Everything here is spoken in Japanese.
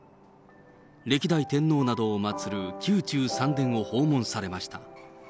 歴代天皇などを祭る宮中三殿を訪問されました。